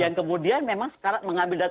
yang kemudian memang sekarang mengambil data